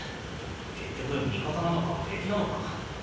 結局味方なのか敵なのか。